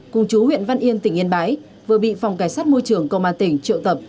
cùng chú huyện văn yên tỉnh yên bái vừa bị phòng cảnh sát môi trường công an tỉnh triệu tập